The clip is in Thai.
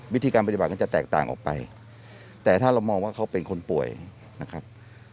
วิธีการปฏิบัติก็จะแตกต่างออกไปแต่ถ้าเรามองว่าเขาเป็นคนป่วยนะครับ